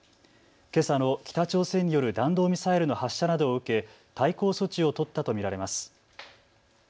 けさの北朝鮮による弾道ミサイルの発射などを受け対抗措置を取ったと見られます。